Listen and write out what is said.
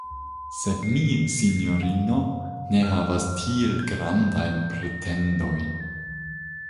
Sed mi, sinjorino, ne havas tiel grandajn pretendojn.